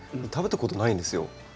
食べたことないんですよ。